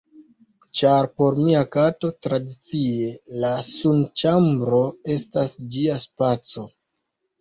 ĉar por mia kato tradicie la sunĉambro estas ĝia spaco.